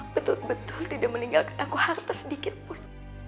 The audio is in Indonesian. betul betul tidak meninggalkan aku harta sedikit pun